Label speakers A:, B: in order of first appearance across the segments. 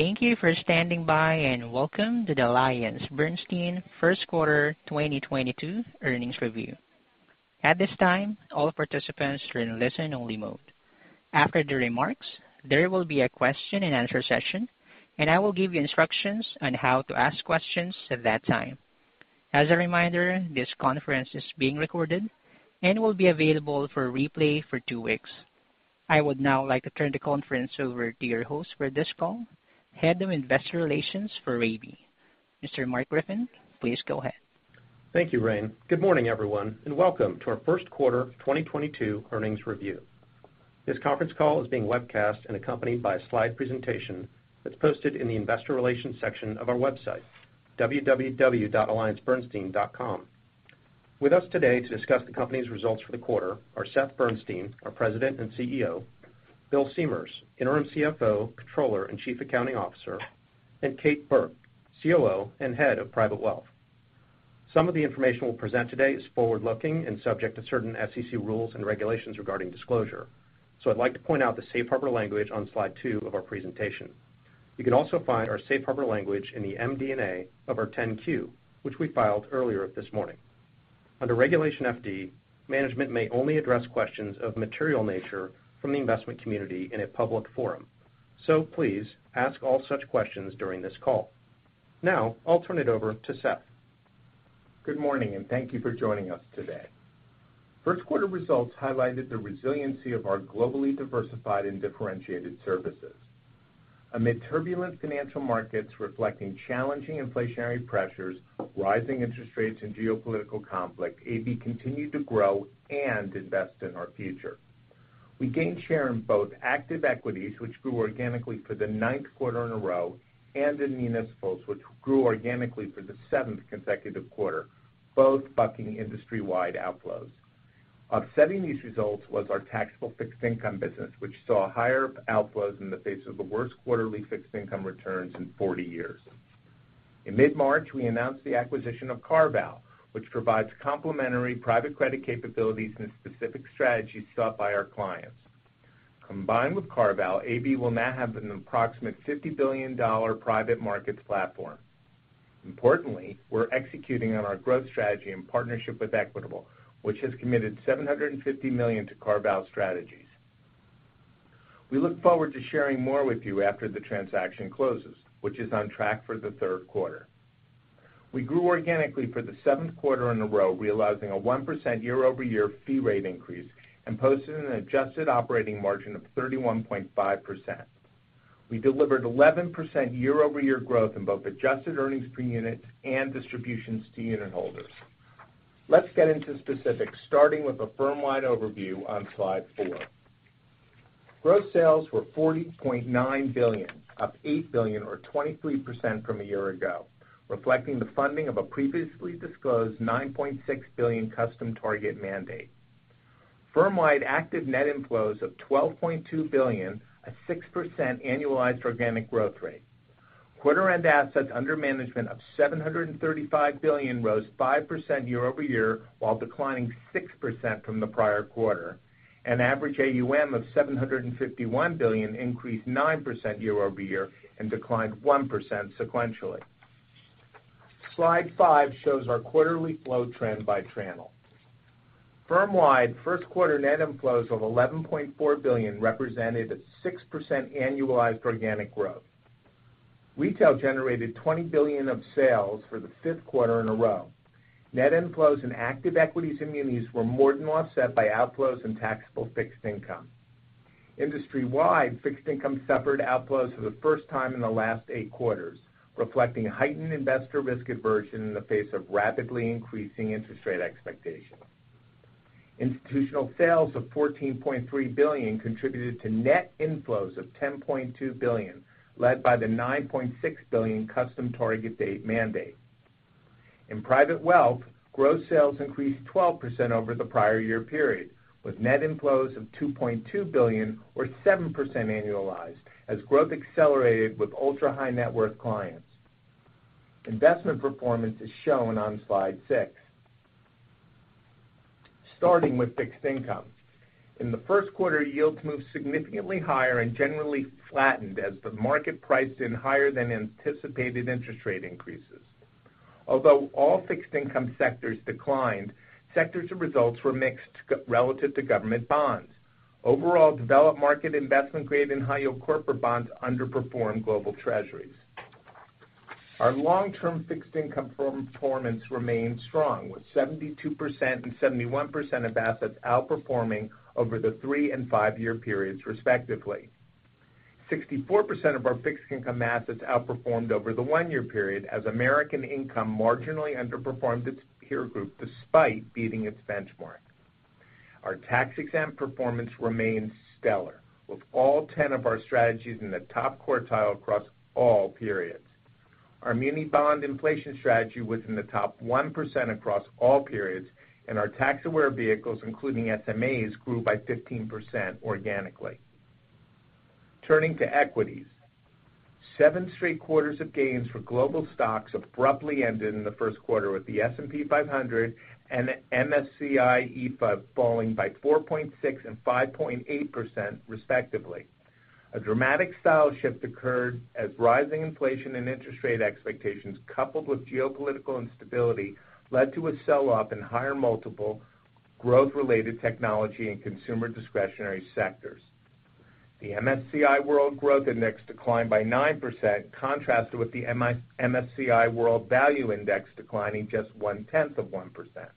A: Thank you for standing by, and welcome to the AllianceBernstein First Quarter 2022 Earnings Review. At this time, all participants are in listen-only mode. After the remarks, there will be a question-and-answer session, and I will give you instructions on how to ask questions at that time. As a reminder, this conference is being recorded and will be available for replay for two weeks. I would now like to turn the conference over to your host for this call, Head of Investor Relations for AB, Mr. Mark Griffin. Please go ahead.
B: Thank you, Rain. Good morning, everyone, and welcome to our first quarter 2022 earnings review. This conference call is being webcast and accompanied by a slide presentation that's posted in the investor relations section of our website, www.AllianceBernstein.com. With us today to discuss the company's results for the quarter are Seth Bernstein, our President and CEO, Bill Siemers, Interim CFO, Controller & Chief Accounting Officer, and Kate Burke, COO and Head of Private Wealth. Some of the information we'll present today is forward-looking and subject to certain SEC rules and regulations regarding disclosure, so I'd like to point out the safe harbor language on slide 2 of our presentation. You can also find our safe harbor language in the MD&A of our 10-Q, which we filed earlier this morning. Under Regulation FD, management may only address questions of material nature from the investment community in a public forum. Please ask all such questions during this call. Now, I'll turn it over to Seth.
C: Good morning, and thank you for joining us today. First quarter results highlighted the resiliency of our globally diversified and differentiated services. Amid turbulent financial markets reflecting challenging inflationary pressures, rising interest rates and geopolitical conflict, AB continued to grow and invest in our future. We gained share in both active equities, which grew organically for the ninth quarter in a row, and in municipals, which grew organically for the seventh consecutive quarter, both bucking industry-wide outflows. Offsetting these results was our taxable fixed income business, which saw higher outflows in the face of the worst quarterly fixed income returns in 40 years. In mid-March, we announced the acquisition of CarVal, which provides complementary private credit capabilities and specific strategies sought by our clients. Combined with CarVal, AB will now have an approximate $50 billion private markets platform. Importantly, we're executing on our growth strategy in partnership with Equitable, which has committed $750 million to CarVal strategies. We look forward to sharing more with you after the transaction closes, which is on track for the third quarter. We grew organically for the seventh quarter in a row, realizing a 1% year-over-year fee rate increase and posted an adjusted operating margin of 31.5%. We delivered 11% year-over-year growth in both adjusted earnings per unit and distributions to unitholders. Let's get into specifics, starting with a firm-wide overview on slide 4. Gross sales were $40.9 billion, up $8 billion or 23% from a year ago, reflecting the funding of a previously disclosed $9.6 billion custom target mandate. Firm-wide active net inflows of $12.2 billion at 6% annualized organic growth rate. Quarter-end assets under management of $735 billion rose 5% year-over-year, while declining 6% from the prior quarter. Average AUM of $751 billion increased 9% year-over-year and declined 1% sequentially. Slide 5 shows our quarterly flow trend by channel. Firm-wide, first quarter net inflows of $11.4 billion represented a 6% annualized organic growth. Retail generated $20 billion of sales for the 5th quarter in a row. Net inflows in active equities and munis were more than offset by outflows in taxable fixed income. Industry-wide, fixed income suffered outflows for the first time in the last eight quarters, reflecting heightened investor risk aversion in the face of rapidly increasing interest rate expectations. Institutional sales of $14.3 billion contributed to net inflows of $10.2 billion, led by the $9.6 billion custom target date mandate. In private wealth, gross sales increased 12% over the prior year period, with net inflows of $2.2 billion or 7% annualized as growth accelerated with ultra-high net worth clients. Investment performance is shown on slide 6. Starting with fixed income. In the first quarter, yields moved significantly higher and generally flattened as the market priced in higher than anticipated interest rate increases. Although all fixed income sectors declined, sector results were mixed, generally relative to government bonds. Overall, developed-market investment-grade and high-yield corporate bonds underperformed global treasuries. Our long-term fixed income performance remained strong, with 72% and 71% of assets outperforming over the 3-and-5-year periods, respectively. 64% of our fixed income assets outperformed over the one-year period as American Income marginally underperformed its peer group despite beating its benchmark. Our tax-exempt performance remains stellar, with all 10 of our strategies in the top quartile across all periods. Our Muni Bond Inflation Strategy was in the top 1% across all periods, and our tax-aware vehicles, including SMAs, grew by 15% organically. Turning to equities. Seven straight quarters of gains for global stocks abruptly ended in the first quarter, with the S&P 500 and the MSCI EAFE falling by 4.6% and 5.8%, respectively. A dramatic style shift occurred as rising inflation and interest rate expectations, coupled with geopolitical instability, led to a sell-off in higher multiple growth-related technology and consumer discretionary sectors. The MSCI World Growth Index declined by 9%, contrasted with the MSCI World Value Index declining just 0.1%.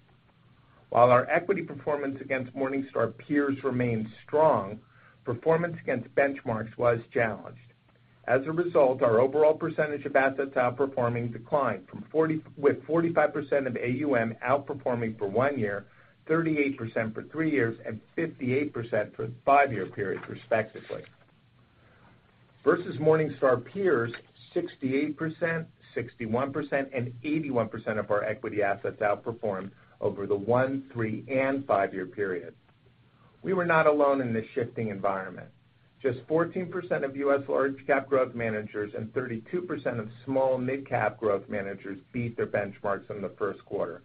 C: While our equity performance against Morningstar peers remained strong, performance against benchmarks was challenged. As a result, our overall percentage of assets outperforming declined, with 45% of AUM outperforming for one year, 38% for three years, and 58% for the five-year period respectively. Versus Morningstar peers, 68%, 61%, and 81% of our equity assets outperformed over the one, three, and five-year period. We were not alone in this shifting environment. Just 14% of U.S. large-cap growth managers and 32% of small and mid-cap growth managers beat their benchmarks in the first quarter.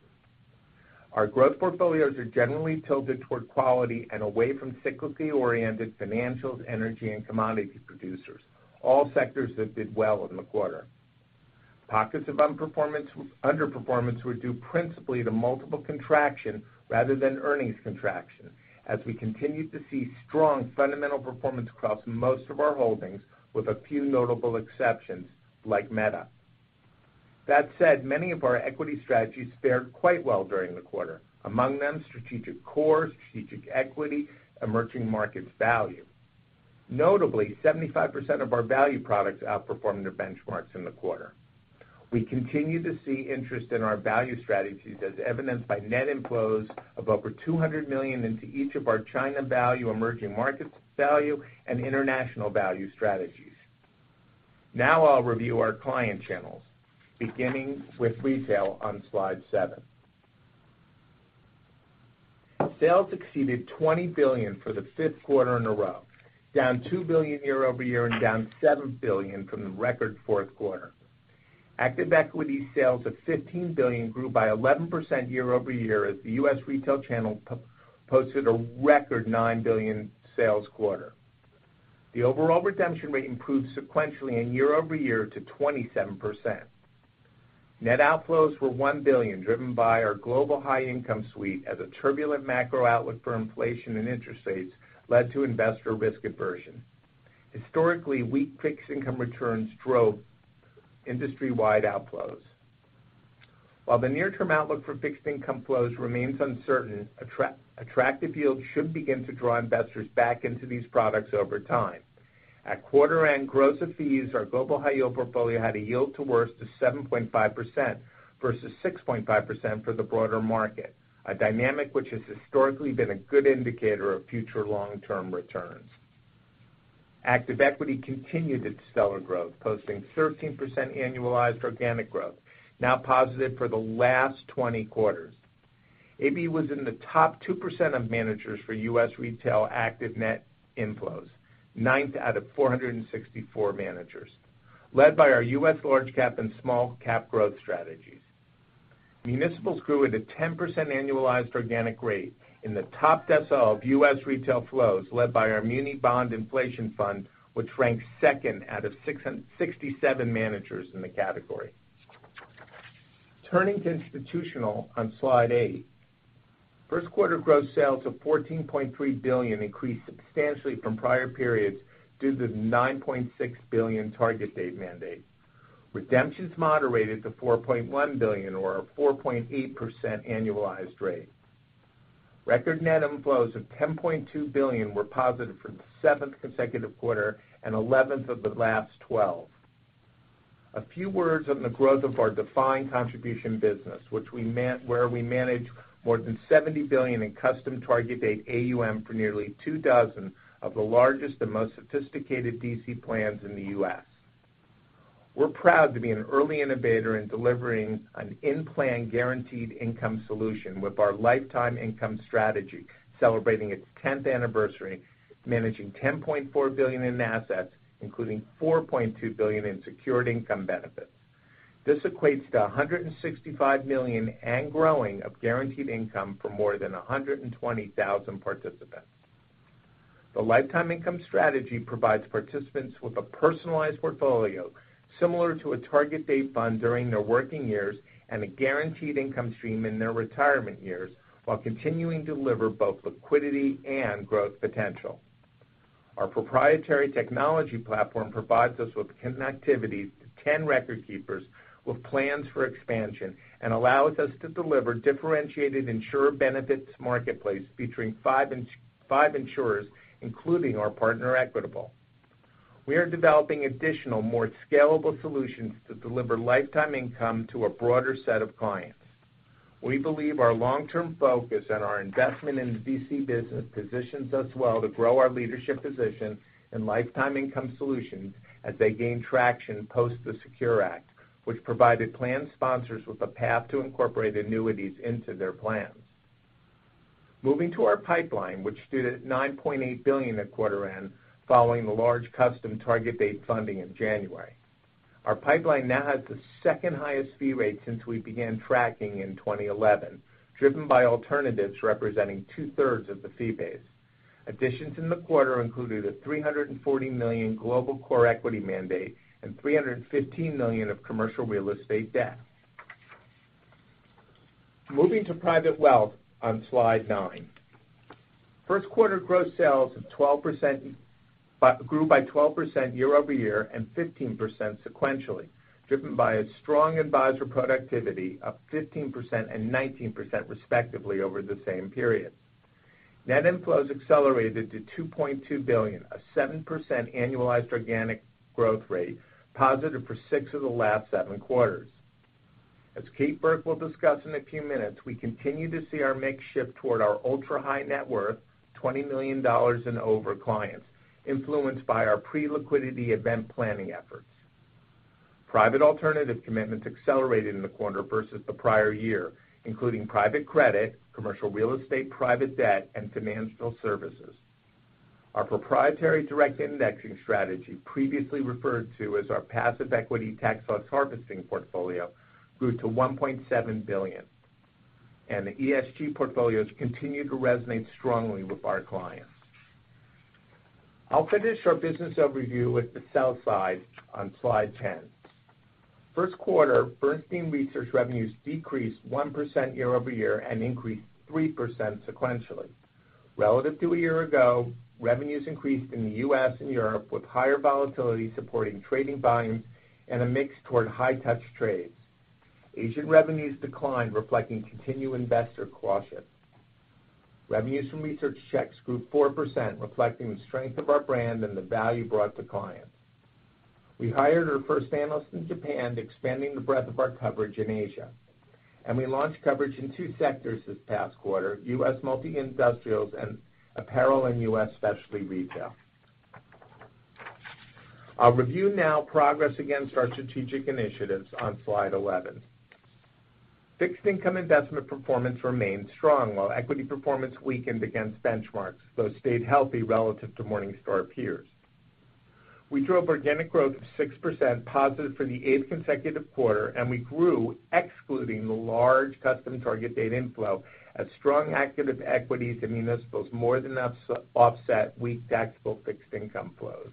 C: Our growth portfolios are generally tilted toward quality and away from cyclically oriented financials, energy, and commodity producers, all sectors that did well in the quarter. Pockets of underperformance were due principally to multiple contraction rather than earnings contraction, as we continued to see strong fundamental performance across most of our holdings, with a few notable exceptions, like Meta. That said, many of our equity strategies fared quite well during the quarter. Among them, Strategic Core, Strategic Equity, Emerging Market Value. Notably, 75% of our value products outperformed their benchmarks in the quarter. We continue to see interest in our value strategies as evidenced by net inflows of over $200 million into each of our China Value, Emerging Market Value, and International Value strategies. Now I'll review our client channels, beginning with retail on slide seven. Sales exceeded $20 billion for the 5th quarter in a row, down $2 billion year-over-year and down $7 billion from the record 4th quarter. Active equity sales of $15 billion grew by 11% year-over-year as the U.S. retail channel posted a record $9 billion sales quarter. The overall redemption rate improved sequentially and year-over-year to 27%. Net outflows were $1 billion, driven by our Global High Income suite as a turbulent macro outlook for inflation and interest rates led to investor risk aversion. Historically, weak fixed income returns drove industry-wide outflows. While the near-term outlook for fixed income flows remains uncertain, attractive yields should begin to draw investors back into these products over time. At quarter end gross of fees, our Global High Yield portfolio had a yield to worst of 7.5% versus 6.5% for the broader market, a dynamic which has historically been a good indicator of future long-term returns. Active equity continued its stellar growth, posting 13% annualized organic growth, now positive for the last 20 quarters. AB was in the top 2% of managers for U.S. retail active net inflows, 9th out of 464 managers, led by our U.S. large cap and small cap growth strategies. Municipals grew at a 10% annualized organic rate in the top decile of U.S. retail flows led by our Muni Bond Inflation Strategy, which ranks 2nd out of 67 managers in the category. Turning to institutional on slide eight. First quarter gross sales of $14.3 billion increased substantially from prior periods due to the $9.6 billion target date mandate. Redemptions moderated to $4.1 billion or a 4.8% annualized rate. Record net inflows of $10.2 billion were positive for the seventh consecutive quarter and eleventh of the last twelve. A few words on the growth of our defined contribution business, where we manage more than $70 billion in custom target date AUM for nearly two dozen of the largest and most sophisticated DC plans in the U.S. We're proud to be an early innovator in delivering an in-plan guaranteed income solution with our Lifetime Income Strategy, celebrating its tenth anniversary, managing $10.4 billion in assets, including $4.2 billion in secured income benefits. This equates to $165 million and growing of guaranteed income for more than 120,000 participants. The Lifetime Income Strategy provides participants with a personalized portfolio, similar to a target date fund during their working years and a guaranteed income stream in their retirement years, while continuing to deliver both liquidity and growth potential. Our proprietary technology platform provides us with connectivity to 10 record keepers with plans for expansion and allows us to deliver differentiated insurer benefits marketplace featuring 5 insurers, including our partner, Equitable. We are developing additional, more scalable solutions to deliver Lifetime Income to a broader set of clients. We believe our long-term focus and our investment in the DC business positions us well to grow our leadership position in lifetime income solutions as they gain traction post the SECURE Act, which provided plan sponsors with a path to incorporate annuities into their plans. Moving to our pipeline, which stood at $9.8 billion at quarter end following the large custom target date funding in January. Our pipeline now has the second-highest fee rate since we began tracking in 2011, driven by alternatives representing two-thirds of the fee base. Additions in the quarter included a $340 million global core equity mandate and $315 million of commercial real estate debt. Moving to private wealth on slide 9. First quarter gross sales of 12% grew by 12% year-over-year and 15% sequentially, driven by a strong advisor productivity of 15% and 19% respectively over the same period. Net inflows accelerated to $2.2 billion, a 7% annualized organic growth rate, positive for six of the last seven quarters. As Kate Burke will discuss in a few minutes, we continue to see our mix shift toward our ultra-high net worth, $20 million and over clients, influenced by our pre-liquidity event planning efforts. Private alternative commitments accelerated in the quarter versus the prior year, including private credit, commercial real estate, private debt, and financial services. Our proprietary direct indexing strategy, previously referred to as our passive equity tax loss harvesting portfolio, grew to $1.7 billion, and the ESG portfolios continue to resonate strongly with our clients. I'll finish our business overview with the sell-side on slide 10. First quarter, Bernstein Research revenues decreased 1% year-over-year and increased 3% sequentially. Relative to a year ago, revenues increased in the U.S. and Europe, with higher volatility supporting trading volumes and a mix toward high-touch trades. Asian revenues declined, reflecting continued investor caution. Revenues from research checks grew 4%, reflecting the strength of our brand and the value brought to clients. We hired our first analyst in Japan, expanding the breadth of our coverage in Asia, and we launched coverage in 2 sectors this past quarter: U.S. multi-industrials and apparel and U.S. specialty retail. I'll review now progress against our strategic initiatives on slide 11. Fixed income investment performance remained strong, while equity performance weakened against benchmarks, though stayed healthy relative to Morningstar peers. We drove organic growth of 6% positive for the 8th consecutive quarter, and we grew excluding the large custom target date inflow as strong active equities and municipals more than enough to offset weak taxable fixed income flows.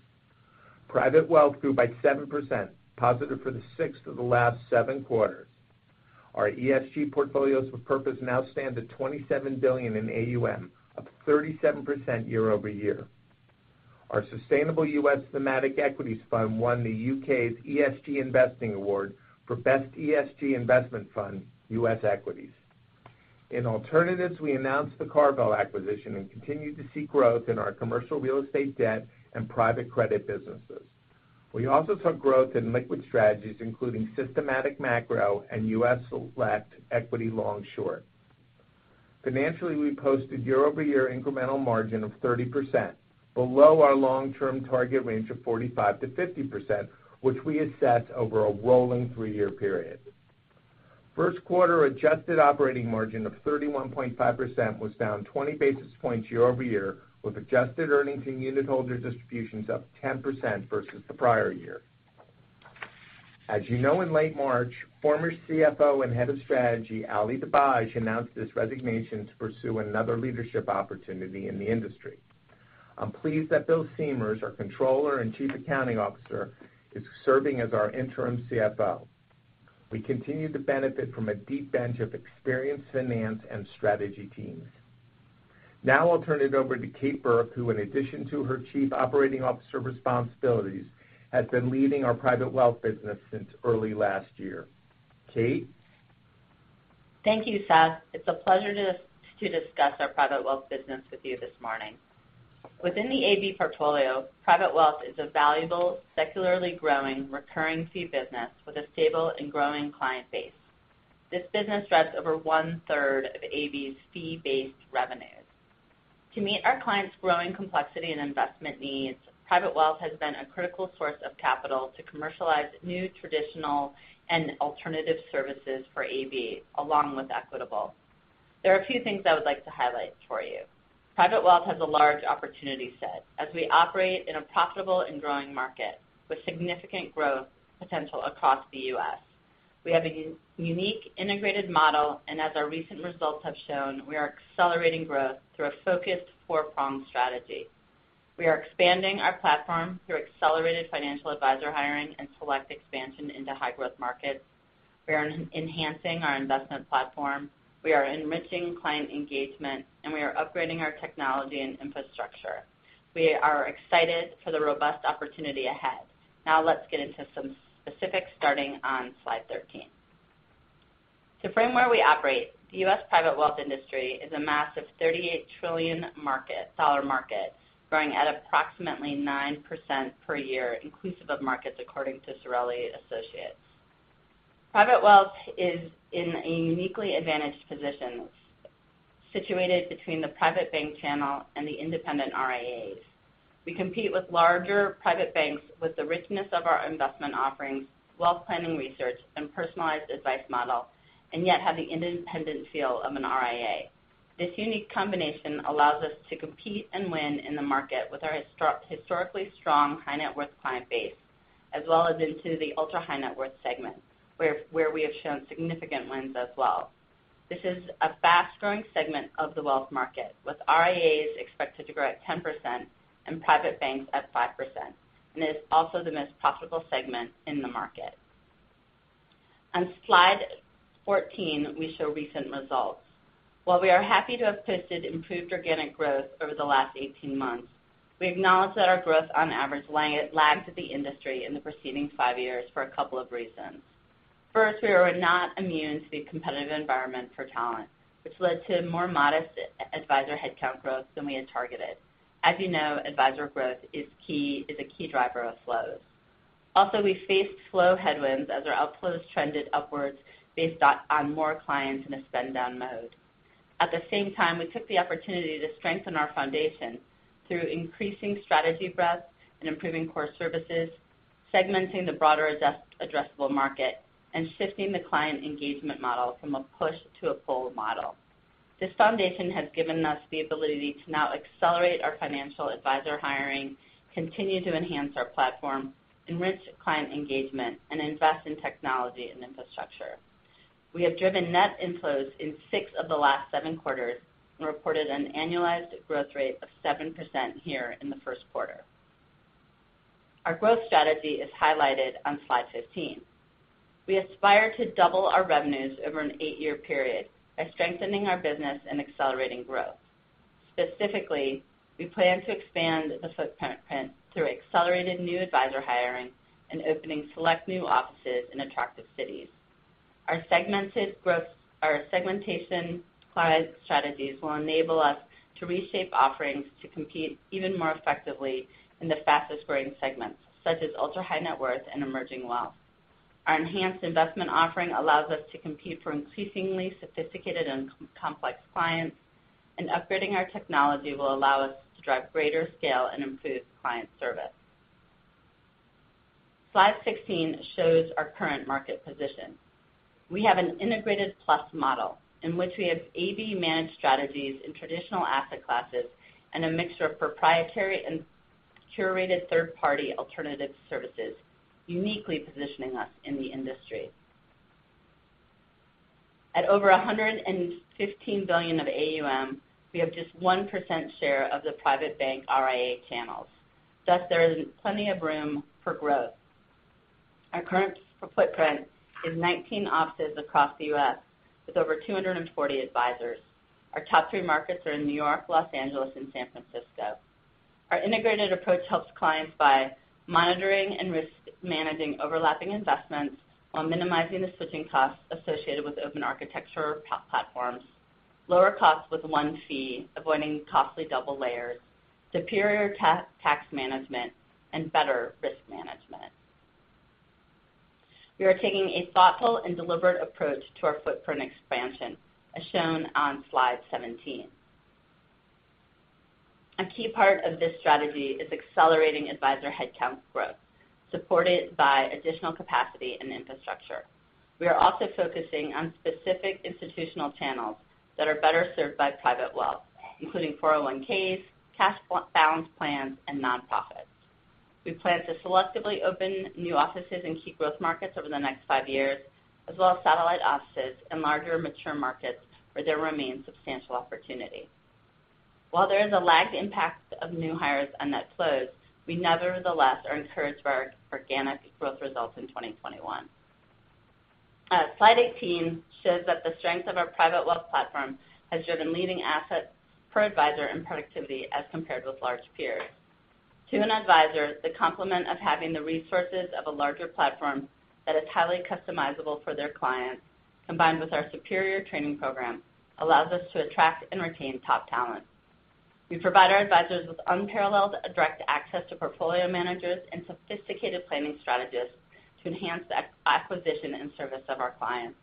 C: Private Wealth grew by 7%, positive for the 6th of the last 7 quarters. Our ESG portfolios for purpose now stand at $27 billion in AUM, up 37% year-over-year. Our sustainable US thematic equities fund won the UK's ESG Investing Award for best ESG investment fund, US equities. In alternatives, we announced the CarVal acquisition and continued to see growth in our commercial real estate debt and private credit businesses. We also saw growth in liquid strategies, including systematic macro and US Select Equity Long/Short. Financially, we posted year-over-year incremental margin of 30%, below our long-term target range of 45%-50%, which we assess over a rolling three-year period. First quarter adjusted operating margin of 31.5% was down 20 basis points year over year, with adjusted earnings and unitholder distributions up 10% versus the prior year. As you know, in late March, former CFO and Head of Strategy, Ali Dibadj, announced his resignation to pursue another leadership opportunity in the industry. I'm pleased that Bill Siemers, our Controller and Chief Accounting Officer, is serving as our interim CFO. We continue to benefit from a deep bench of experienced finance and strategy teams. Now I'll turn it over to Kate Burke, who in addition to her Chief Operating Officer responsibilities, has been leading our private wealth business since early last year. Kate?
D: Thank you, Seth. It's a pleasure to discuss our private wealth business with you this morning. Within the AB portfolio, private wealth is a valuable, secularly growing, recurring fee business with a stable and growing client base. This business drives over 1/3 of AB's fee-based revenues. To meet our clients' growing complexity and investment needs, private wealth has been a critical source of capital to commercialize new, traditional, and alternative services for AB, along with Equitable. There are a few things I would like to highlight for you. Private wealth has a large opportunity set as we operate in a profitable and growing market with significant growth potential across the U.S. We have a unique integrated model, and as our recent results have shown, we are accelerating growth through a focused four-pronged strategy. We are expanding our platform through accelerated financial advisor hiring and select expansion into high-growth markets. We are enhancing our investment platform, we are enriching client engagement, and we are upgrading our technology and infrastructure. We are excited for the robust opportunity ahead. Now let's get into some specifics starting on slide 13. To frame where we operate, the U.S. private wealth industry is a massive $38 trillion dollar market growing at approximately 9% per year inclusive of markets according to Cerulli Associates. Private wealth is in a uniquely advantaged position, situated between the private bank channel and the independent RIAs. We compete with larger private banks with the richness of our investment offerings, wealth planning research and personalized advice model, and yet have the independent feel of an RIA. This unique combination allows us to compete and win in the market with our historically strong high net worth client base, as well as into the ultra high net worth segment, where we have shown significant wins as well. This is a fast-growing segment of the wealth market, with RIAs expected to grow at 10% and private banks at 5%, and is also the most profitable segment in the market. On slide 14, we show recent results. While we are happy to have posted improved organic growth over the last 18 months, we acknowledge that our growth on average lagged the industry in the preceding 5 years for a couple of reasons. First, we were not immune to the competitive environment for talent, which led to more modest advisor headcount growth than we had targeted. As you know, advisor growth is a key driver of flows. Also, we faced flow headwinds as our outflows trended upwards based on more clients in a spend-down mode. At the same time, we took the opportunity to strengthen our foundation through increasing strategy breadth and improving core services, segmenting the broader addressable market, and shifting the client engagement model from a push to a pull model. This foundation has given us the ability to now accelerate our financial advisor hiring, continue to enhance our platform, enrich client engagement, and invest in technology and infrastructure. We have driven net inflows in six of the last seven quarters and reported an annualized growth rate of 7% here in the first quarter. Our growth strategy is highlighted on slide 15. We aspire to double our revenues over an eight-year period by strengthening our business and accelerating growth. Specifically, we plan to expand the footprint through accelerated new advisor hiring and opening select new offices in attractive cities. Our segmentation client strategies will enable us to reshape offerings to compete even more effectively in the fastest-growing segments, such as ultra high net worth and emerging wealth. Our enhanced investment offering allows us to compete for increasingly sophisticated and complex clients, and upgrading our technology will allow us to drive greater scale and improve client service. Slide 16 shows our current market position. We have an integrated plus model in which we have AB managed strategies in traditional asset classes and a mixture of proprietary and curated third-party alternative services, uniquely positioning us in the industry. At over $115 billion of AUM, we have just 1% share of the private bank RIA channels. Thus, there is plenty of room for growth. Our current footprint is 19 offices across the U.S. with over 240 advisors. Our top three markets are in New York, Los Angeles, and San Francisco. Our integrated approach helps clients by monitoring and risk managing overlapping investments while minimizing the switching costs associated with open architecture platforms, lower costs with one fee, avoiding costly double layers, superior tax management, and better risk management. We are taking a thoughtful and deliberate approach to our footprint expansion, as shown on slide 17. A key part of this strategy is accelerating advisor headcount growth, supported by additional capacity and infrastructure. We are also focusing on specific institutional channels that are better served by private wealth, including 401(k)s, cash balance plans, and nonprofits. We plan to selectively open new offices in key growth markets over the next five years, as well as satellite offices in larger mature markets where there remains substantial opportunity. While there is a lag impact of new hires on net flows, we nevertheless are encouraged by our organic growth results in 2021. Slide 18 shows that the strength of our private wealth platform has driven leading assets per advisor and productivity as compared with large peers. To an advisor, the complement of having the resources of a larger platform that is highly customizable for their clients, combined with our superior training program, allows us to attract and retain top talent. We provide our advisors with unparalleled direct access to portfolio managers and sophisticated planning strategists to enhance acquisition and service of our clients.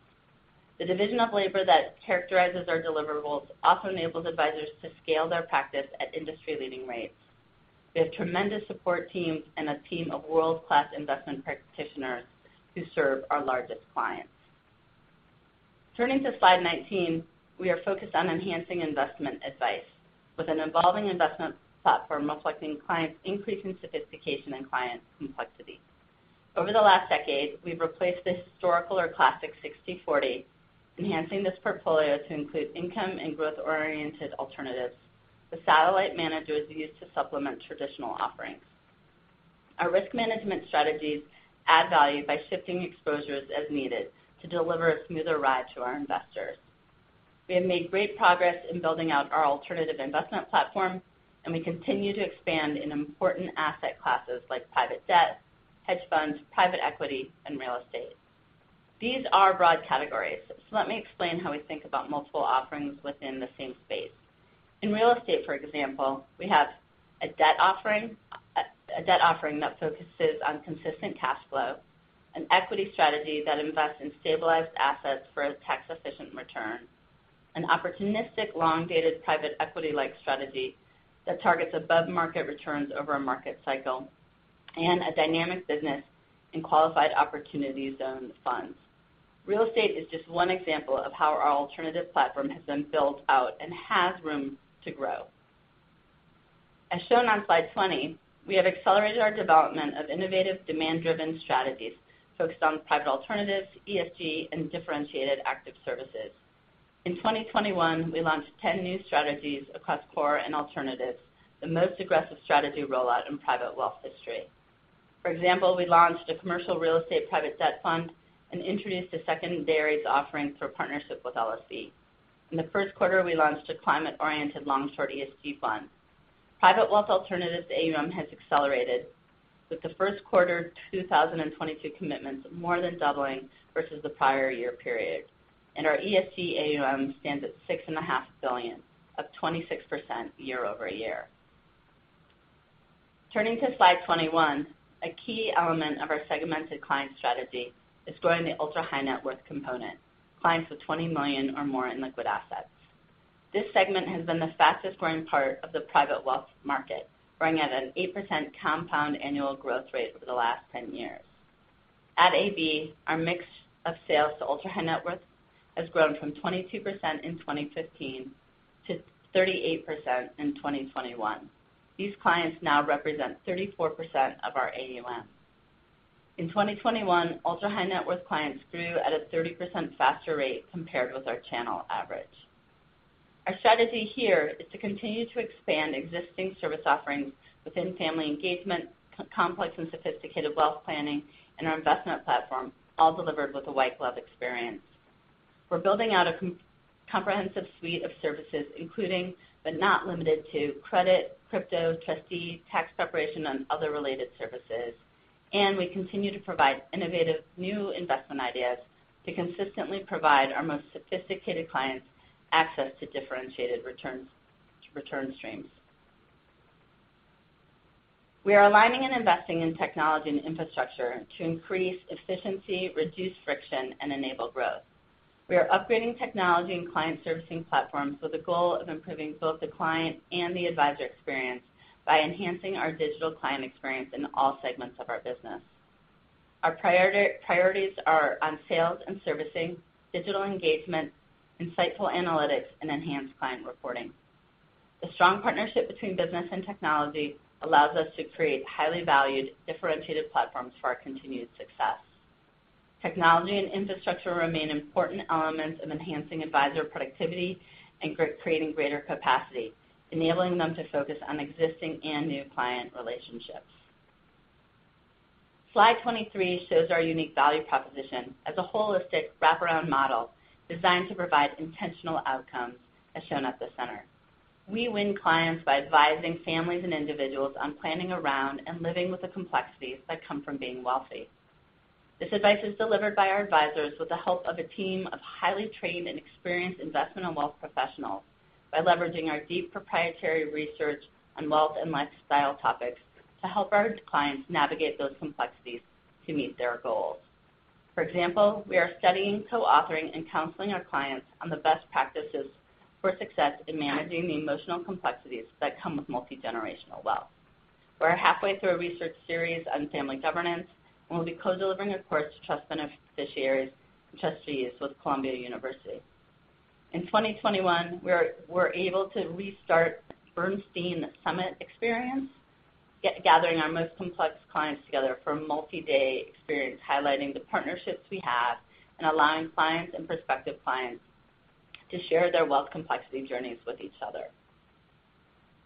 D: The division of labor that characterizes our deliverables also enables advisors to scale their practice at industry-leading rates. We have tremendous support teams and a team of world-class investment practitioners who serve our largest clients. Turning to slide 19, we are focused on enhancing investment advice with an evolving investment platform reflecting clients' increasing sophistication and clients' complexity. Over the last decade, we've replaced the historical or classic 60/40, enhancing this portfolio to include income and growth-oriented alternatives, with satellite managers used to supplement traditional offerings. Our risk management strategies add value by shifting exposures as needed to deliver a smoother ride to our investors. We have made great progress in building out our alternative investment platform, and we continue to expand in important asset classes like private debt, hedge funds, private equity, and real estate. These are broad categories, so let me explain how we think about multiple offerings within the same space. In real estate, for example, we have a debt offering that focuses on consistent cash flow, an equity strategy that invests in stabilized assets for a tax-efficient return, an opportunistic long-dated private equity-like strategy that targets above-market returns over a market cycle. A dynamic business in Qualified Opportunity Zone funds. Real estate is just one example of how our alternative platform has been built out and has room to grow. As shown on slide 20, we have accelerated our development of innovative demand-driven strategies focused on private alternatives, ESG, and differentiated active services. In 2021, we launched 10 new strategies across core and alternatives, the most aggressive strategy rollout in private wealth history. For example, we launched a commercial real estate private debt fund and introduced a secondary offering for partnership with Lexington Partners. In the first quarter, we launched a climate-oriented long-short ESG fund. Private wealth alternatives AUM has accelerated, with the first quarter 2022 commitments more than doubling versus the prior year period. Our ESG AUM stands at $6.5 billion, up 26% year-over-year. Turning to slide 21, a key element of our segmented client strategy is growing the ultra-high net worth component, clients with $20 million or more in liquid assets. This segment has been the fastest-growing part of the private wealth market, growing at an 8% compound annual growth rate over the last 10 years. At AB, our mix of sales to ultra-high net worth has grown from 22% in 2015 to 38% in 2021. These clients now represent 34% of our AUM. In 2021, ultra-high net worth clients grew at a 30% faster rate compared with our channel average. Our strategy here is to continue to expand existing service offerings within family engagement, complex and sophisticated wealth planning, and our investment platform, all delivered with a white glove experience. We're building out a comprehensive suite of services, including, but not limited to credit, crypto, trustee, tax preparation, and other related services. We continue to provide innovative new investment ideas to consistently provide our most sophisticated clients access to differentiated returns, return streams. We are aligning and investing in technology and infrastructure to increase efficiency, reduce friction, and enable growth. We are upgrading technology and client servicing platforms with a goal of improving both the client and the advisor experience by enhancing our digital client experience in all segments of our business. Our priorities are on sales and servicing, digital engagement, insightful analytics, and enhanced client reporting. The strong partnership between business and technology allows us to create highly valued, differentiated platforms for our continued success. Technology and infrastructure remain important elements of enhancing advisor productivity and creating greater capacity, enabling them to focus on existing and new client relationships. Slide 23 shows our unique value proposition as a holistic wraparound model designed to provide intentional outcomes, as shown at the center. We win clients by advising families and individuals on planning around and living with the complexities that come from being wealthy. This advice is delivered by our advisors with the help of a team of highly trained and experienced investment and wealth professionals by leveraging our deep proprietary research on wealth and lifestyle topics to help our clients navigate those complexities to meet their goals. For example, we are studying, co-authoring, and counseling our clients on the best practices for success in managing the emotional complexities that come with multi-generational wealth. We're halfway through a research series on family governance, and we'll be co-delivering a course to trust beneficiaries, trustees with Columbia University. In 2021, we're able to restart Bernstein Summit experience, gathering our most complex clients together for a multi-day experience highlighting the partnerships we have and allowing clients and prospective clients to share their wealth complexity journeys with each other.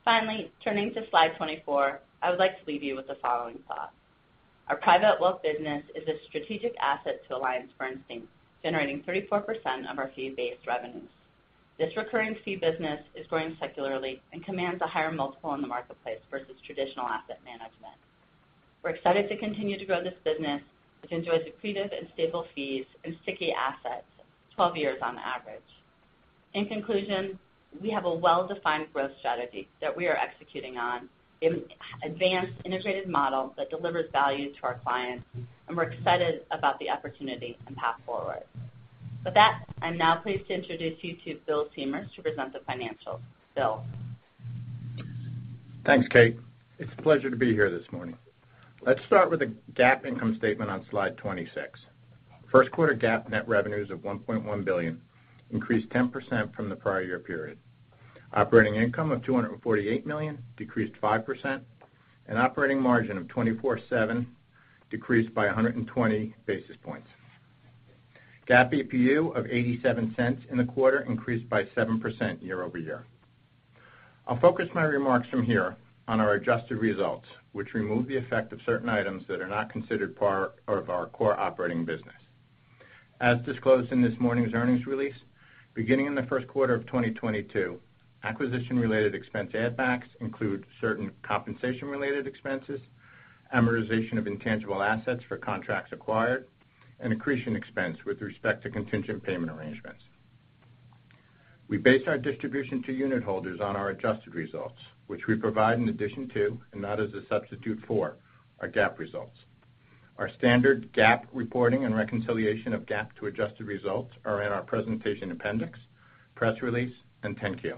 D: Finally, turning to slide 24, I would like to leave you with the following thought. Our private wealth business is a strategic asset to AllianceBernstein, generating 34% of our fee-based revenues. This recurring fee business is growing secularly and commands a higher multiple in the marketplace versus traditional asset management. We're excited to continue to grow this business, which enjoys accretive and stable fees and sticky assets, 12 years on average. In conclusion, we have a well-defined growth strategy that we are executing on in an advanced integrated model that delivers value to our clients, and we're excited about the opportunity and path forward. With that, I'm now pleased to introduce you to Bill Siemers to present the financials. Bill?
E: Thanks, Kate. It's a pleasure to be here this morning. Let's start with the GAAP income statement on slide 26. First quarter GAAP net revenues of $1.1 billion increased 10% from the prior year period. Operating income of $248 million decreased 5%, and operating margin of 24.7% decreased by 120 basis points. GAAP EPU of $0.87 in the quarter increased by 7% year over year. I'll focus my remarks from here on our adjusted results, which remove the effect of certain items that are not considered part of our core operating business. As disclosed in this morning's earnings release, beginning in the first quarter of 2022, acquisition-related expense add backs include certain compensation-related expenses, amortization of intangible assets for contracts acquired, and accretion expense with respect to contingent payment arrangements. We base our distribution to unit holders on our adjusted results, which we provide in addition to, and not as a substitute for, our GAAP results. Our standard GAAP reporting and reconciliation of GAAP to adjusted results are in our presentation appendix, press release, and 10-Q.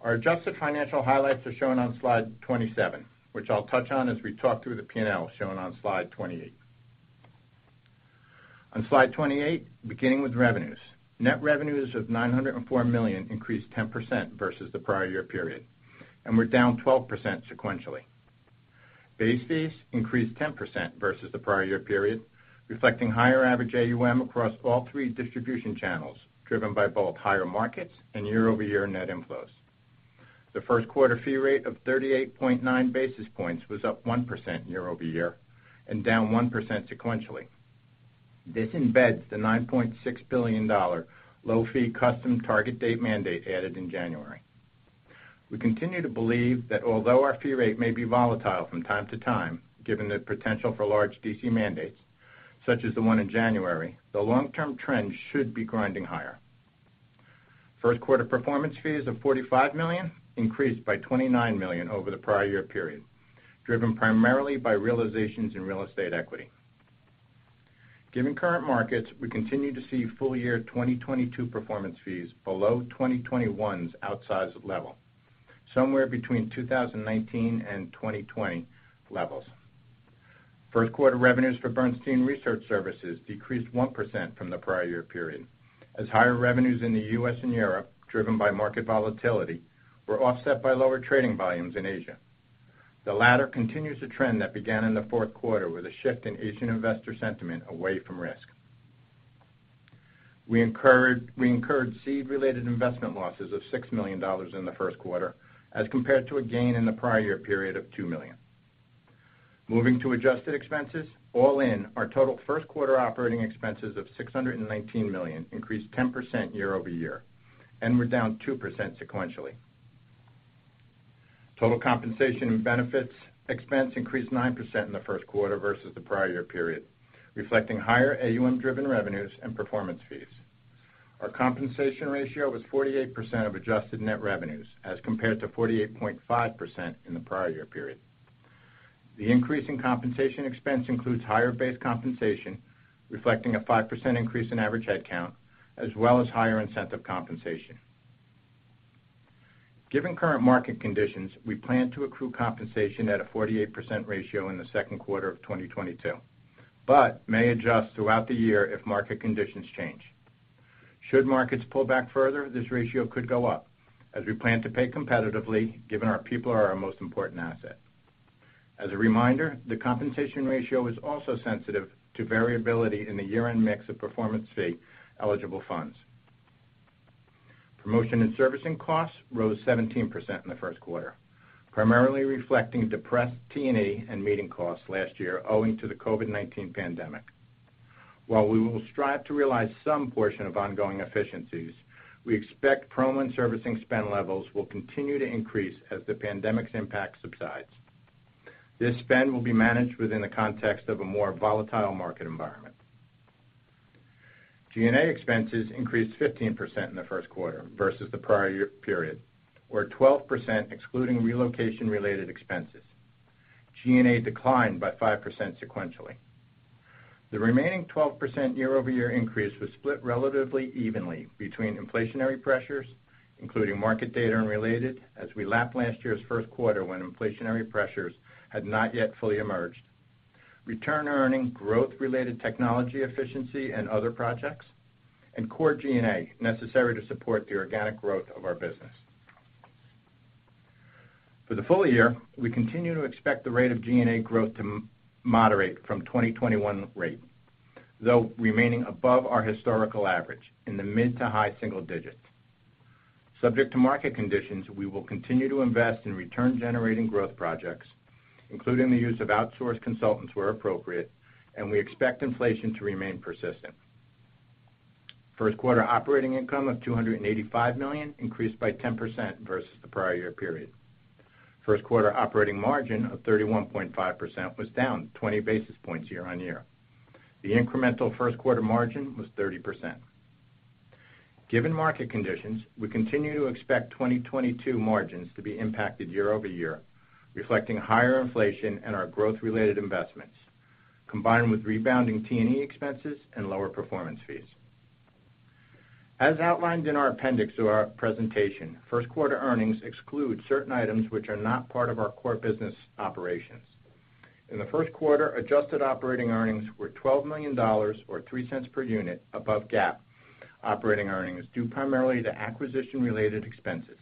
E: Our adjusted financial highlights are shown on slide 27, which I'll touch on as we talk through the P&L shown on slide 28. On slide 28, beginning with revenues. Net revenues of $904 million increased 10% versus the prior year period, and were down 12% sequentially. Base fees increased 10% versus the prior year period, reflecting higher average AUM across all three distribution channels, driven by both higher markets and year-over-year net inflows. The first quarter fee rate of 38.9 basis points was up 1% year-over-year and down 1% sequentially. This embeds the $9.6 billion low-fee custom target date mandate added in January. We continue to believe that although our fee rate may be volatile from time to time, given the potential for large DC mandates, such as the one in January, the long-term trend should be grinding higher. First quarter performance fees of $45 million increased by $29 million over the prior year period, driven primarily by realizations in real estate equity. Given current markets, we continue to see full year 2022 performance fees below 2021's outsized level, somewhere between 2019 and 2020 levels. First quarter revenues for Bernstein Research Services decreased 1% from the prior year period, as higher revenues in the U.S. and Europe, driven by market volatility, were offset by lower trading volumes in Asia. The latter continues a trend that began in the fourth quarter with a shift in Asian investor sentiment away from risk. We incurred seed-related investment losses of $6 million in the first quarter as compared to a gain in the prior year period of $2 million. Moving to adjusted expenses. All in, our total first quarter operating expenses of $619 million increased 10% year over year and were down 2% sequentially. Total compensation and benefits expense increased 9% in the first quarter versus the prior year period, reflecting higher AUM-driven revenues and performance fees. Our compensation ratio was 48% of adjusted net revenues as compared to 48.5% in the prior year period. The increase in compensation expense includes higher base compensation, reflecting a 5% increase in average headcount, as well as higher incentive compensation. Given current market conditions, we plan to accrue compensation at a 48% ratio in the second quarter of 2022, but may adjust throughout the year if market conditions change. Should markets pull back further, this ratio could go up as we plan to pay competitively given our people are our most important asset. As a reminder, the compensation ratio is also sensitive to variability in the year-end mix of performance fee eligible funds. Promotion and servicing costs rose 17% in the first quarter, primarily reflecting depressed T&E and meeting costs last year owing to the COVID-19 pandemic. While we will strive to realize some portion of ongoing efficiencies, we expect promo and servicing spend levels will continue to increase as the pandemic's impact subsides. This spend will be managed within the context of a more volatile market environment. G&A expenses increased 15% in the first quarter versus the prior year period, or 12% excluding relocation related expenses. G&A declined by 5% sequentially. The remaining 12% year-over-year increase was split relatively evenly between inflationary pressures, including market data and related, as we lapped last year's first quarter when inflationary pressures had not yet fully emerged. Return-generating, growth-related technology efficiency and other projects, and core G&A necessary to support the organic growth of our business. For the full year, we continue to expect the rate of G&A growth to moderate from 2021 rate, though remaining above our historical average in the mid- to high-single digits. Subject to market conditions, we will continue to invest in return-generating growth projects, including the use of outsourced consultants where appropriate, and we expect inflation to remain persistent. First quarter operating income of $285 million increased by 10% versus the prior year period. First quarter operating margin of 31.5% was down 20 basis points year-over-year. The incremental first quarter margin was 30%. Given market conditions, we continue to expect 2022 margins to be impacted year-over-year, reflecting higher inflation and our growth-related investments, combined with rebounding T&E expenses and lower performance fees. As outlined in our appendix to our presentation, first quarter earnings exclude certain items which are not part of our core business operations. In the first quarter, adjusted operating earnings were $12 million, or $0.03 per unit above GAAP operating earnings, due primarily to acquisition-related expenses.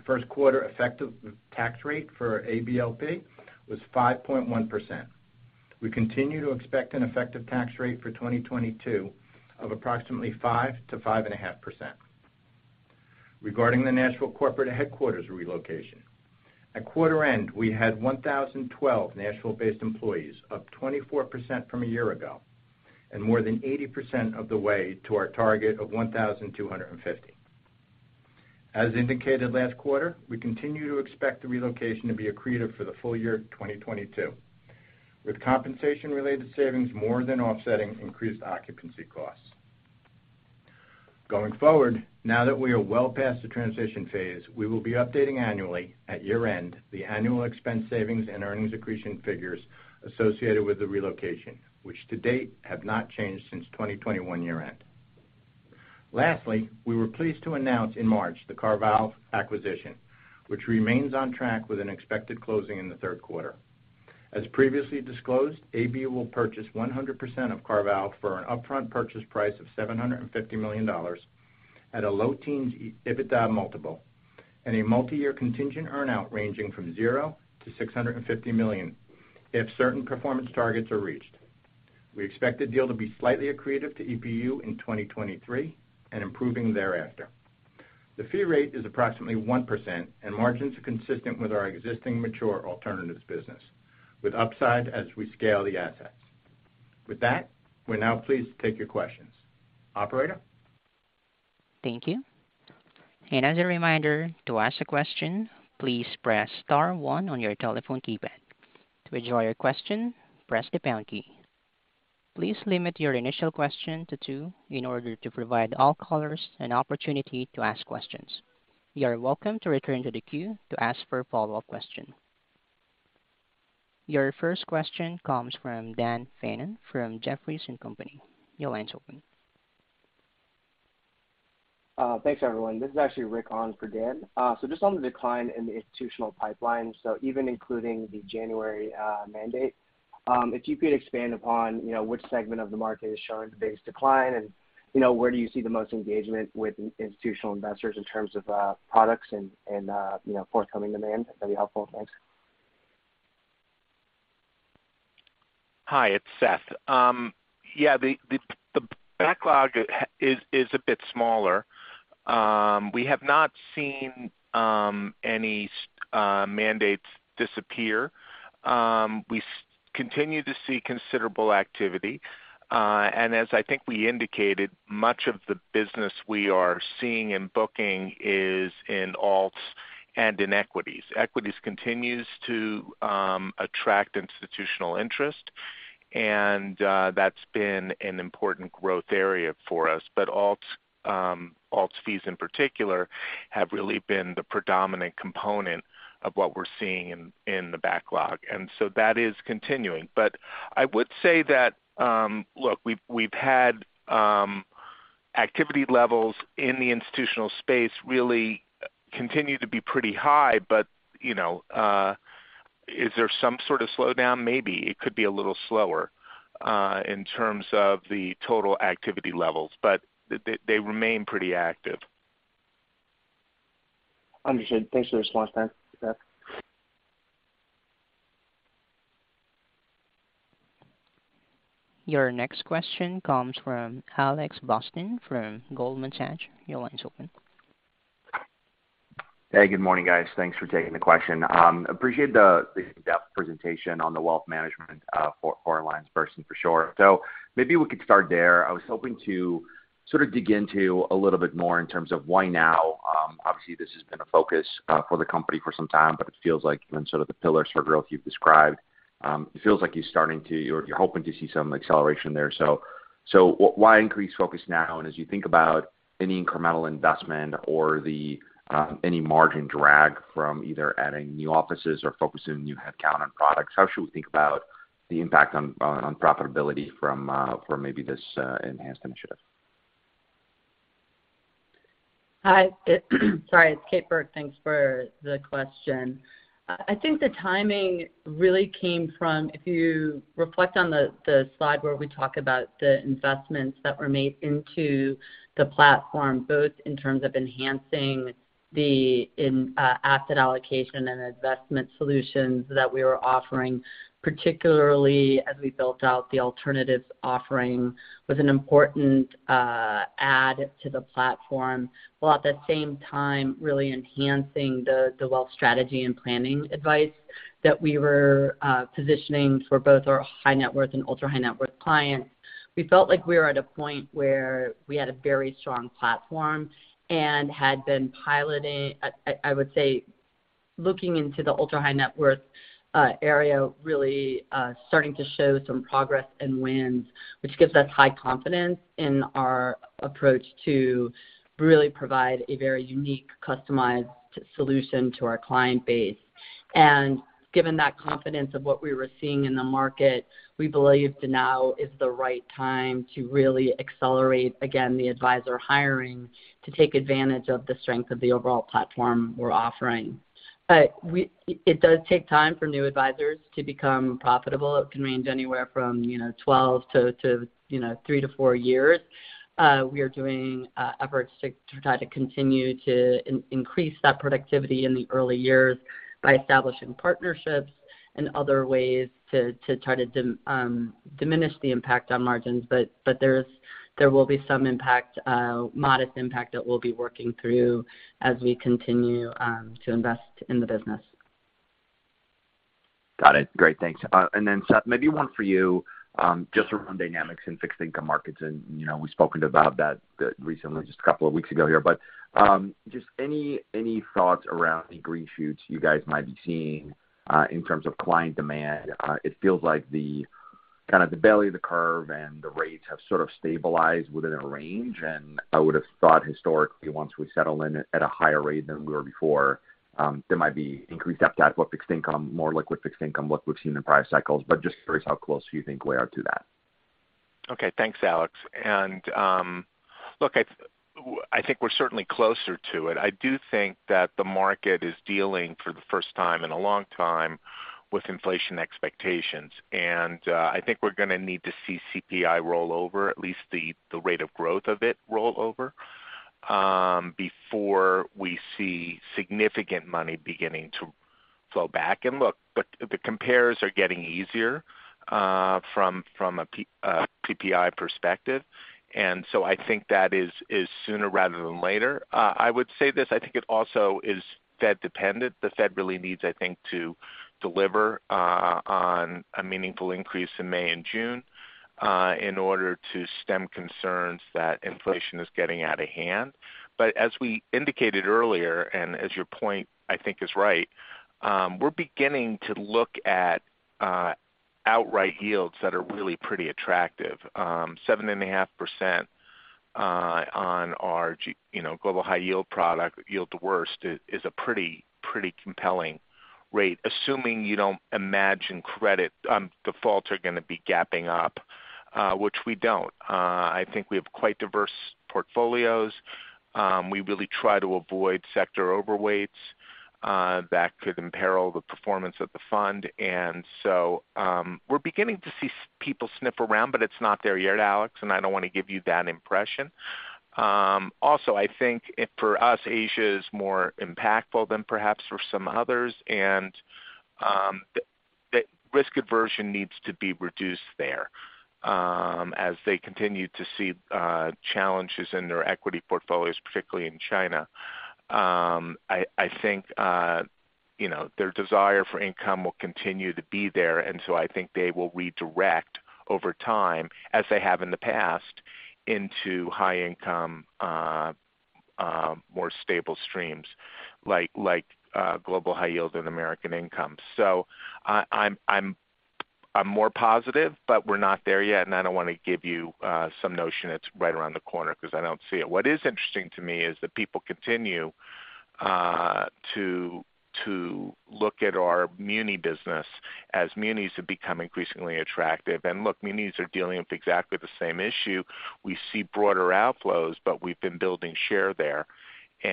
E: The first quarter effective tax rate for ABLP was 5.1%. We continue to expect an effective tax rate for 2022 of approximately 5%-5.5%. Regarding the Nashville corporate headquarters relocation, at quarter end, we had 1,012 Nashville-based employees, up 24% from a year ago, and more than 80% of the way to our target of 1,250. As indicated last quarter, we continue to expect the relocation to be accretive for the full year of 2022, with compensation-related savings more than offsetting increased occupancy costs. Going forward, now that we are well past the transition phase, we will be updating annually at year-end the annual expense savings and earnings accretion figures associated with the relocation, which to date have not changed since 2021 year-end. Lastly, we were pleased to announce in March the CarVal acquisition, which remains on track with an expected closing in the third quarter. As previously disclosed, AB will purchase 100% of CarVal for an upfront purchase price of $750 million at a low teens EBITDA multiple and a multi-year contingent earn-out ranging from $0 to $650 million if certain performance targets are reached. We expect the deal to be slightly accretive to EPU in 2023 and improving thereafter. The fee rate is approximately 1% and margins are consistent with our existing mature alternatives business, with upside as we scale the assets. With that, we're now pleased to take your questions. Operator?
A: Thank you. As a reminder, to ask a question, please press star one on your telephone keypad. To withdraw your question, press the pound key. Please limit your initial question to two in order to provide all callers an opportunity to ask questions. You are welcome to return to the queue to ask for a follow-up question. Your first question comes from Dan Fannon from Jefferies and company. Your line's open.
F: Thanks, everyone. This is actually Rick on for Dan. Just on the decline in the institutional pipeline, even including the January mandate, if you could expand upon, you know, which segment of the market is showing the biggest decline and, you know, where do you see the most engagement with institutional investors in terms of, products and, you know, forthcoming demand, that'd be helpful. Thanks.
C: Hi, it's Seth. Yeah, the backlog is a bit smaller. We have not seen any mandates disappear. We continue to see considerable activity, and as I think we indicated, much of the business we are seeing in booking is in alts and in equities. Equities continues to attract institutional interest, and that's been an important growth area for us. Alts fees in particular have really been the predominant component of what we're seeing in the backlog. So that is continuing. I would say that, look, we've had activity levels in the institutional space really continue to be pretty high, but you know, is there some sort of slowdown? Maybe. It could be a little slower in terms of the total activity levels, but they remain pretty active.
F: Understood. Thanks for the response, Seth.
A: Your next question comes from Alex Blostein from Goldman Sachs. Your line's open.
G: Hey, good morning, guys. Thanks for taking the question. Appreciate the in-depth presentation on the wealth management for AllianceBernstein, for sure. Maybe we could start there. I was hoping to sort of dig into a little bit more in terms of why now. Obviously this has been a focus for the company for some time, but it feels like even sort of the pillars for growth you've described, it feels like you're starting to or you're hoping to see some acceleration there. Why increase focus now? And as you think about any incremental investment or any margin drag from either adding new offices or focusing new headcount on products, how should we think about the impact on profitability from maybe this enhanced initiative?
D: Hi. Sorry, it's Kate Burke. Thanks for the question. I think the timing really came from if you reflect on the slide where we talk about the investments that were made into the platform, both in terms of enhancing the asset allocation and investment solutions that we were offering, particularly as we built out the alternatives offering, was an important add to the platform, while at the same time really enhancing the wealth strategy and planning advice that we were positioning for both our high net worth and ultra-high net worth clients. We felt like we were at a point where we had a very strong platform and had been piloting, I would say looking into the ultra-high net worth area, really, starting to show some progress and wins, which gives us high confidence in our approach to really provide a very unique, customized solution to our client base. Given that confidence of what we were seeing in the market, we believe that now is the right time to really accelerate, again, the advisor hiring to take advantage of the strength of the overall platform we're offering. It does take time for new advisors to become profitable. It can range anywhere from, you know, 12 to, you know, 3-4 years. We are doing efforts to try to continue to increase that productivity in the early years by establishing partnerships and other ways to try to diminish the impact on margins. There will be some modest impact that we'll be working through as we continue to invest in the business.
G: Got it. Great. Thanks. Seth, maybe one for you, just around dynamics in fixed income markets, and you know, we've spoken about that recently, just a couple of weeks ago here. Just any thoughts around any green shoots you guys might be seeing, in terms of client demand? It feels like kind of the belly of the curve and the rates have sort of stabilized within a range. I would have thought historically, once we settle in at a higher rate than we were before, there might be increased appetite for fixed income, more liquid fixed income, like we've seen in prior cycles. Just curious how close you think we are to that?
C: Okay, thanks, Alex. Look, I think we're certainly closer to it. I do think that the market is dealing for the first time in a long time with inflation expectations. I think we're gonna need to see CPI roll over, at least the rate of growth of it roll over, before we see significant money beginning to flow back. Look, but the compares are getting easier from a PPI perspective. So I think that is sooner rather than later. I would say this, I think it also is Fed dependent. The Fed really needs to deliver on a meaningful increase in May and June in order to stem concerns that inflation is getting out of hand. As we indicated earlier, and as your point I think is right, we're beginning to look at outright yields that are really pretty attractive. 7.5% on our Global High Yield product yield to worst is a pretty compelling rate, assuming you don't imagine credit defaults are gonna be gapping up, which we don't. I think we have quite diverse portfolios. We really try to avoid sector overweights that could imperil the performance of the fund. We're beginning to see people sniff around, but it's not there yet, Alex, and I don't wanna give you that impression. Also, I think for us, Asia is more impactful than perhaps for some others. The risk aversion needs to be reduced there as they continue to see challenges in their equity portfolios, particularly in China. I think you know their desire for income will continue to be there. I think they will redirect over time, as they have in the past, into high income more stable streams like global high yield and American Income. I'm more positive, but we're not there yet, and I don't wanna give you some notion it's right around the corner because I don't see it. What is interesting to me is that people continue to look at our muni business as munis have become increasingly attractive. Look, munis are dealing with exactly the same issue. We see broader outflows, but we've been building share there. You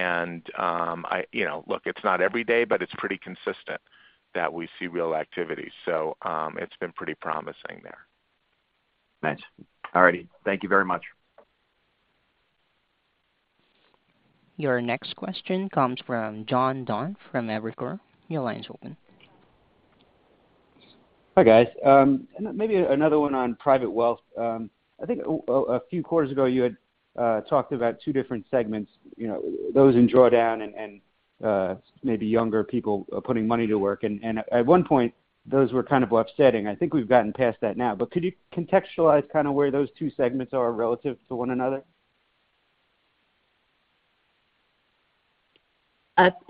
C: know, look, it's not every day, but it's pretty consistent that we see real activity. It's been pretty promising there.
G: Thanks. All righty. Thank you very much.
A: Your next question comes from John Dunn from Evercore. Your line's open.
H: Hi, guys. Maybe another one on private wealth. I think a few quarters ago you had talked about two different segments, you know, those in drawdown and maybe younger people putting money to work. At one point, those were kind of upsetting. I think we've gotten past that now. Could you contextualize kind of where those two segments are relative to one another?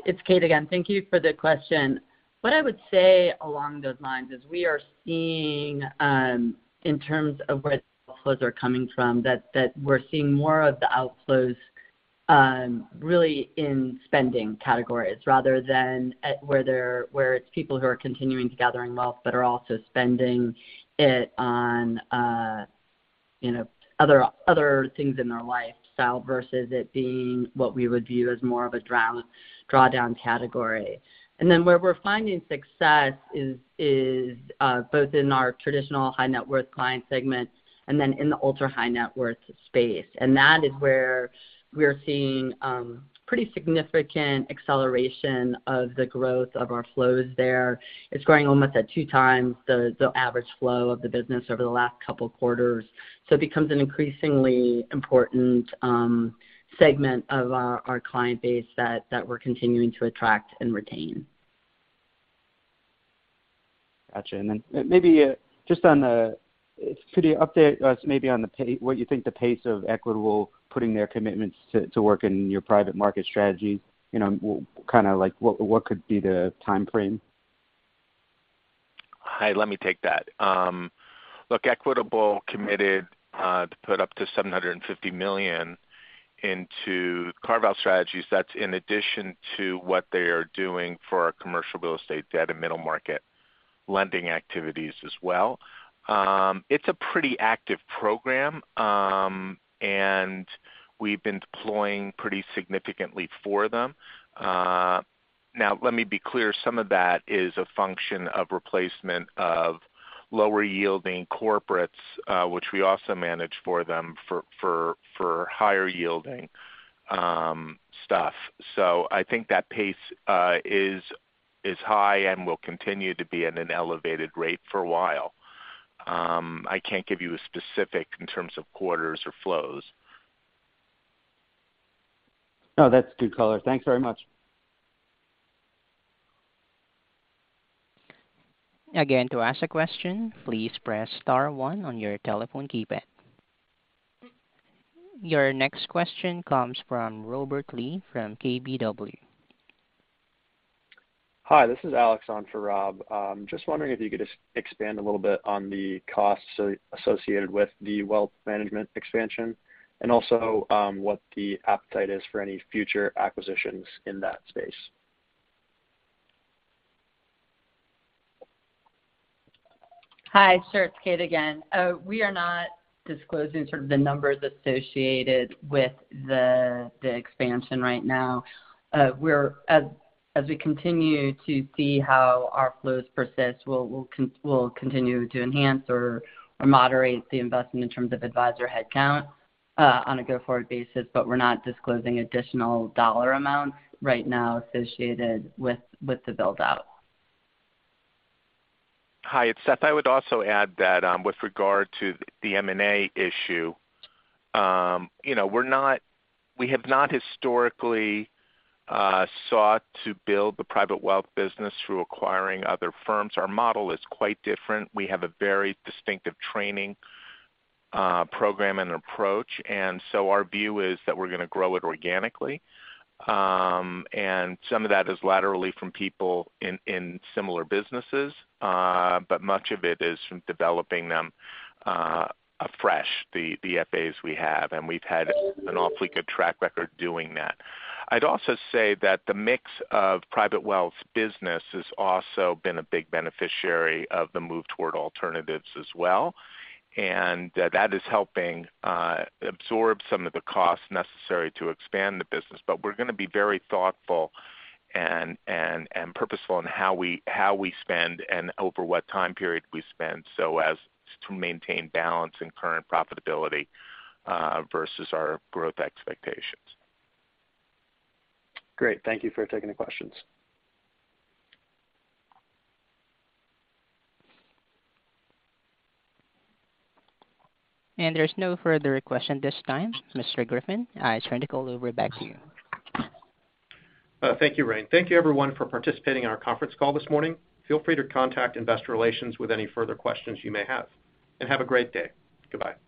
D: It's Kate again. Thank you for the question. What I would say along those lines is we are seeing in terms of where the outflows are coming from that we're seeing more of the outflows really in spending categories rather than at where it's people who are continuing to gather in wealth but are also spending it on you know other things in their lifestyle versus it being what we would view as more of a drawdown category. Where we're finding success is both in our traditional high net worth client segment and then in the ultra-high net worth space. That is where we're seeing pretty significant acceleration of the growth of our flows there. It's growing almost at 2 times the average flow of the business over the last couple quarters. It becomes an increasingly important segment of our client base that we're continuing to attract and retain.
H: Gotcha. Maybe just on the pace of Equitable putting their commitments to work in your private market strategy? You know, kind of like what could be the timeframe?
C: Hi, let me take that. Look, Equitable committed to put up to $750 million into CarVal strategies. That's in addition to what they are doing for our commercial real estate debt and middle market lending activities as well. It's a pretty active program, and we've been deploying pretty significantly for them. Now let me be clear, some of that is a function of replacement of lower yielding corporates, which we also manage for them for higher yielding stuff. I think that pace is high and will continue to be at an elevated rate for a while. I can't give you a specific in terms of quarters or flows.
H: No, that's good color. Thanks very much.
A: Again, to ask a question, please press star one on your telephone keypad. Your next question comes from Robert Lee from KBW.
I: Hi, this is Alex on for Rob. Just wondering if you could just expand a little bit on the costs associated with the wealth management expansion and also, what the appetite is for any future acquisitions in that space.
D: Hi. Sure. It's Kate again. We are not disclosing sort of the numbers associated with the expansion right now. We're, as we continue to see how our flows persist, we'll continue to enhance or moderate the investment in terms of advisor headcount on a go-forward basis, but we're not disclosing additional dollar amounts right now associated with the build-out.
C: Hi, it's Seth. I would also add that, with regard to the M&A issue, you know, we have not historically sought to build the private wealth business through acquiring other firms. Our model is quite different. We have a very distinctive training, program and approach, and so our view is that we're gonna grow it organically. Some of that is laterally from people in similar businesses, but much of it is from developing them afresh, the FAs we have, and we've had an awfully good track record doing that. I'd also say that the mix of private wealth business has also been a big beneficiary of the move toward alternatives as well. That is helping absorb some of the costs necessary to expand the business.
I: We're gonna be very thoughtful and purposeful in how we spend and over what time period we spend so as to maintain balance and current profitability versus our growth expectations. Great. Thank you for taking the questions.
A: There's no further question at this time. Mr. Griffin, I turn the call back over to you.
B: Thank you, Rayne. Thank you everyone for participating in our conference call this morning. Feel free to contact investor relations with any further questions you may have. Have a great day. Goodbye.